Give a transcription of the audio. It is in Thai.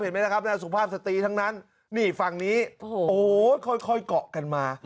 เห็นไหมล่ะครับนายสุภาพสตรีทั้งนั้นนี่ฝั่งนี้โอ้โหค่อยเกาะกันมา